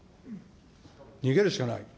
逃げるしかない。